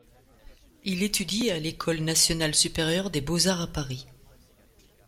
Il étudie à l'École nationale supérieure des beaux-arts à Paris.